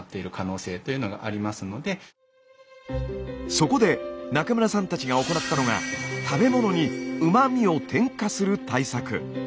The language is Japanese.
そこで中村さんたちが行ったのが食べ物にうま味を添加する対策。